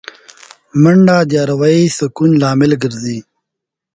منډه د اروايي سکون لامل ګرځي